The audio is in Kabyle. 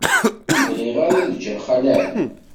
Ur bɣiɣ ara ad ǧǧeɣ Xali Ɛli.